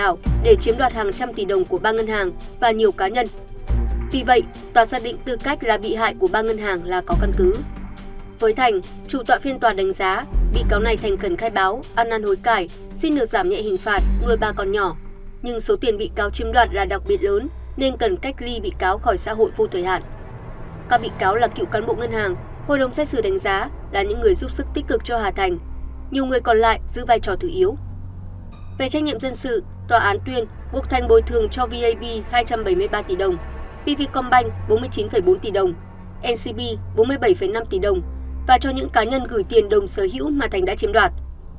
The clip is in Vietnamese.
về trách nhiệm dân sự tòa án tuyên buộc thành bồi thường cho vap hai trăm bảy mươi ba tỷ đồng pv combine bốn mươi chín bốn tỷ đồng ncb bốn mươi bảy năm tỷ đồng và cho những cá nhân gửi tiền đồng sở hữu mà thành đã chiếm đoạt